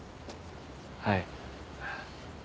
はい。